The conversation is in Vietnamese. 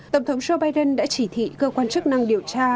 tổng thống joe biden đã chỉ thị cơ quan chức năng điều tra